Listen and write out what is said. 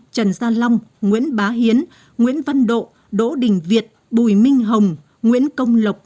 trần gia long nguyễn bá hiến nguyễn văn độ đỗ đình việt bùi minh hồng nguyễn công lộc